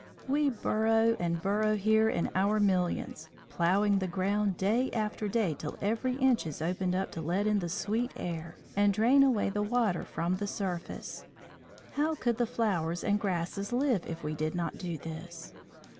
We burrow and burrow here in our millions, ploughing the ground day after day till every inch is opened up to let in the sweet air and drain away the water from the surface. How could the flowers and grasses live if we did not do this?